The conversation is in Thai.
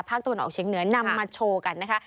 ตะวันออกเชียงเหนือนำมาโชว์กันนะคะ